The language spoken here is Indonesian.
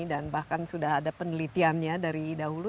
dan bahkan sudah ada penelitiannya dari dahulu